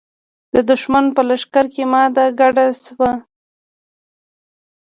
د دښمن په لښکر کې ماته ګډه شوه.